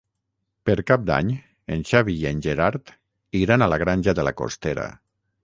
Per Cap d'Any en Xavi i en Gerard iran a la Granja de la Costera.